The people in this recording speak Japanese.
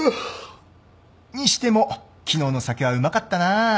にしても昨日の酒はうまかったな。